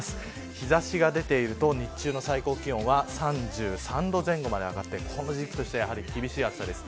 日差しが出ていると日中の最高気温は３３度前後まで上がってこの時期としては厳しい暑さです。